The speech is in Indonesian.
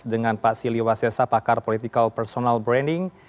dengan pak sili wasilsa pakar political personal branding